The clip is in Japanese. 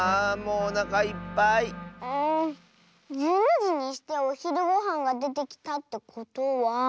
うん１２じにしておひるごはんがでてきたってことは。